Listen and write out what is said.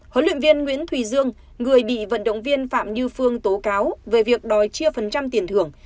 huấn luyện viên nguyễn thùy dương người bị vận động viên phạm như phương tố cáo về việc đòi chia phần trăm tiền thưởng